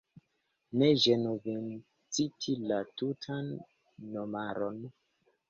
Ne ĝenu vin citi la tutan nomaron.